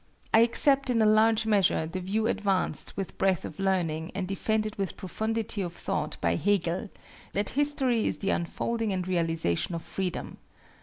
I accept in a large measure the view advanced with breadth of learning and defended with profundity of thought by Hegel, that history is the unfolding and realization of freedom.